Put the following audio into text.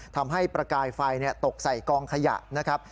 ทำให้ประกายไฟตกใส่กองขยะนะครับ